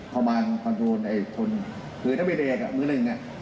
คอมมารด์คอนโทรลไอ้คนคือนักบินเอกมือหนึ่งอ่ะ